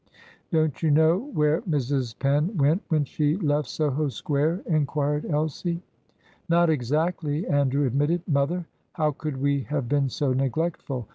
"Don't you know where Mrs. Penn went when she left Soho Square?" inquired Elsie. "Not exactly," Andrew admitted. "Mother, how could we have been so neglectful?